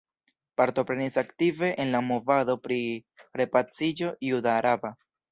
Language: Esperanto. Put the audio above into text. Partoprenis aktive en la movado pri repaciĝo juda-araba.